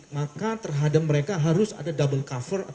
maka terhadap mereka harus ada double cover